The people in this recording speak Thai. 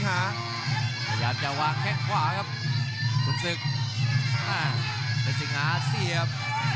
พยายามจะวางแค่ขวาครับศึกแรศงหาเสียบ